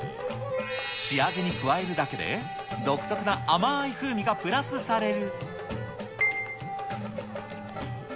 仕上げに加えるだけで、独特な甘い風味がプラスされる。